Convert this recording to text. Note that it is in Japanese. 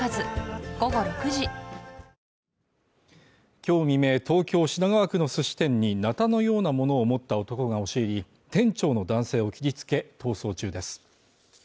今日未明東京・品川区のすし店になたのようなものを持った男が押し入り、店長の男性を切り付け、逃走中です。